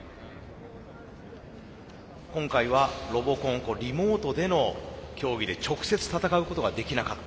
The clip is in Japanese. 今回はロボコンリモートでの競技で直接戦うことができなかった。